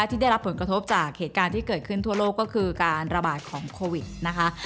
ที่ได้รับผลกระทบจากเหตุการณ์ที่เกิดขึ้นทั่วโลกก็คือการระบาดของโควิดนะคะ